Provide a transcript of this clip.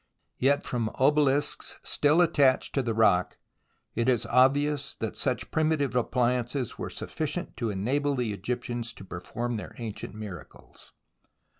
Yet from obelisks still attached to the rock, it is obvious that such primitive appliances were sufficient to enable the Egyptians to perform their ancient miracles.